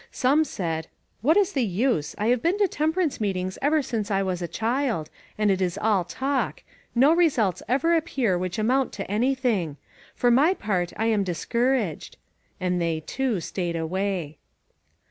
Some said :" What is the use? I have been to temperance meet ings ever since I was a child, and it is all talk ; no results ever appear which amount to anything ; for my part I am discour aged," and they, too, stayed away.